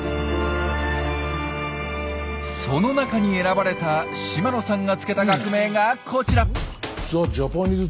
その中に選ばれた島野さんがつけた学名がこちら。